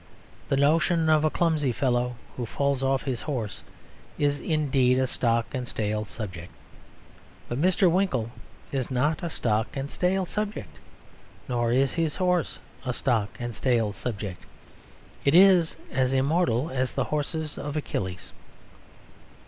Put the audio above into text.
The notion of a clumsy fellow who falls off his horse is indeed a stock and stale subject. But Mr. Winkle is not a stock and stale subject. Nor is his horse a stock and stale subject; it is as immortal as the horses of Achilles.